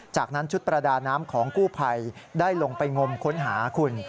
จากนั้นชุดประดาน้ำของกู้ภัยได้ลงไปงมค้นหาคุณ